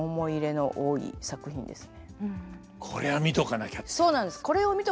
「これは見とかなきゃ」って。